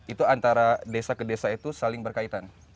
itu antara desa ke desa itu saling berkaitan